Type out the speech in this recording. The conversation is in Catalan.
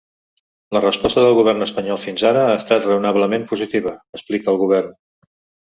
La resposta del govern espanyol fins ara ha estat raonablement positiva, explica el govern.